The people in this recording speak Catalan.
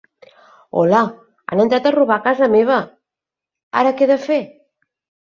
Hola, han entrat a robar a casa meva, ara que he de fer?